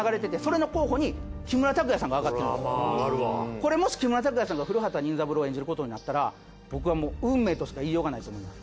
これもし木村拓哉さんが古畑任三郎を演じることになったら僕はもう運命としか言いようがないと思います。